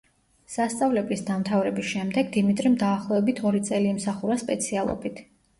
სასწავლებლის დამთავრების შემდეგ დიმიტრიმ დაახლოებით ორი წელი იმსახურა სპეციალობით.